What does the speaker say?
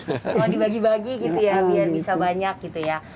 cuma dibagi bagi gitu ya biar bisa banyak gitu ya